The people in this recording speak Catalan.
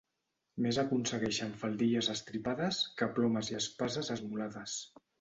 Més aconsegueixen faldilles estripades que plomes i espases esmolades.